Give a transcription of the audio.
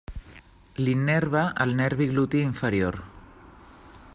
L'innerva el nervi gluti inferior.